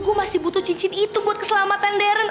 gue masih butuh cincin itu buat keselamatan dern